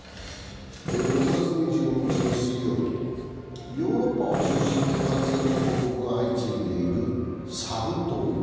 ６月２２日の水曜日、ヨーロッパを中心に感染の報告が相次いでいるサル痘。